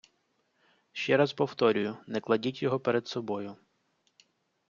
Ще раз повторюю, не кладіть його перед собою!